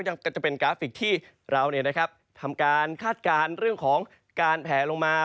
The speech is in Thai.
ก็จะเป็นกราฟิกที่เราทำการคาดการณ์เรื่องของการแผลลงมา